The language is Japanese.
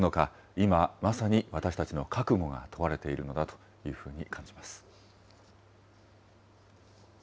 今まさに私たちの覚悟が問われているのだというふうに感じます。